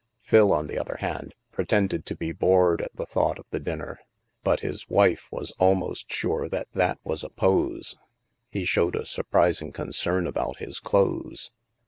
Phil, on the other hand, pretended to be bored at the thought of the dinner; but his wife was almost sure. that that was a pose. He showed a surprising concern about his clothes.